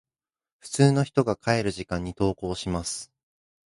普通の人が帰る時間に登校します。